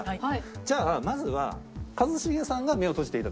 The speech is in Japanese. じゃあまずは一茂さんが目を閉じていただきます。